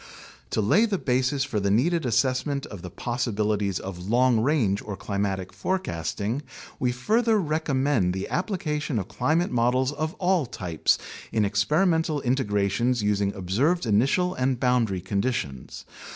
To lay the basis for the needed assessment of the possibilities of long range or climatic forecasting, we further recommend the applica tion of climate models of all types in experimental integrations using observed initial and boundary conditions.